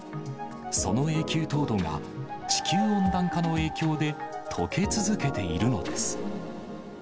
その永久凍土が、地球温暖化の影響でとけ続けているのです。